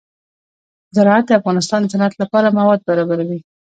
زراعت د افغانستان د صنعت لپاره مواد برابروي.